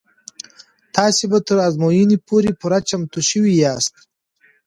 تاسې به تر ازموینې پورې پوره چمتو شوي یاست.